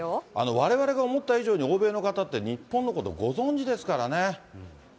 われわれが思った以上に、欧米の方って日本のこと、ご存じですからね。